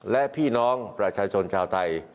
และพี่น้องประชาชนชาวไทย